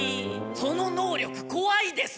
その能力こわいです！